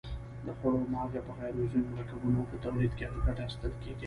د خوړو مالګه په غیر عضوي مرکبونو په تولید کې ګټه اخیستل کیږي.